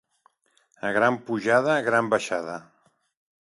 A gran pujada, gran baixada.